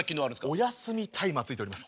お休みタイマーついております。